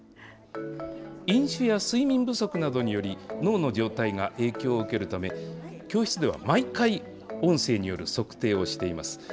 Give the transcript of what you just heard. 飲酒や睡眠不足などにより脳の状態が影響を受けるため、教室では毎回、音声による測定をしています。